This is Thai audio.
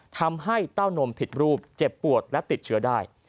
เต้านมผิดรูปเจ็บปวดและติดเชื้อได้